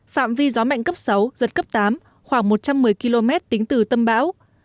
phạm vi gió mạnh cấp sáu giật cấp tám khoảng một trăm một mươi km tính từ tâm bão